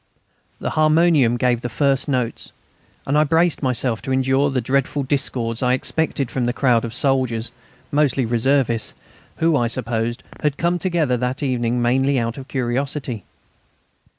The harmonium gave the first notes, and I braced myself to endure the dreadful discords I expected from this crowd of soldiers mostly reservists who, I supposed, had come together that evening mainly out of curiosity.